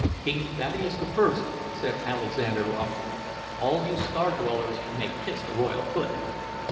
"King Thaddeus the First," said Alexander loftily. "All you star dwellers may kiss the royal foot."